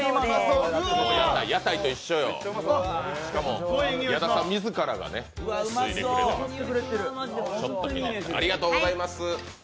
屋台と一緒よ、しかも矢田さん自らがついでくれていますから。